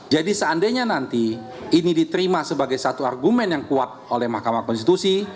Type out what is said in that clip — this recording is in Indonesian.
jadi seandainya nanti ini diterima sebagai satu argumen yang kuat oleh mahkamah konstitusi